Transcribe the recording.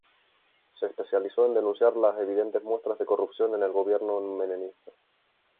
Se especializó en denunciar las evidentes muestras de corrupción en el gobierno menemista.